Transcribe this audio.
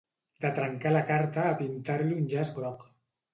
De trencar la carta a pintar-li un llaç groc.